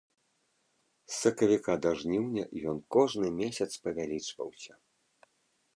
З сакавіка да жніўня ён кожны месяц павялічваўся.